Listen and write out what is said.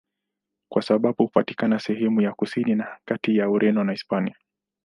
Kwa sasa hupatikana sehemu ya kusini na kati ya Ureno na Hispania.